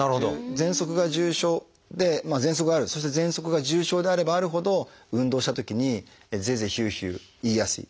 ぜんそくが重症でぜんそくがあるそしてぜんそくが重症であればあるほど運動したときにゼーゼーヒューヒューいいやすい。